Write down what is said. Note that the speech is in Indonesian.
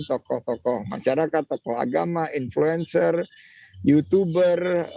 tokoh tokoh masyarakat tokoh agama influencer youtuber